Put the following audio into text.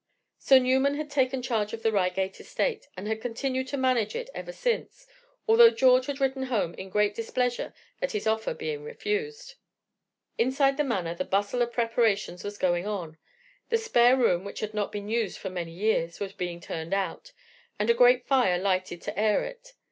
So Newman had taken charge of the Reigate estate, and had continued to manage it ever since, although George had written home in great displeasure at his offer being refused. Inside the Manor the bustle of preparations was going on; the spare room, which had not been used for many years, was being turned out, and a great fire lighted to air it.